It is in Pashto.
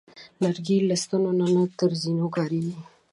لرګی له ستنو نه تر زینو کارېږي.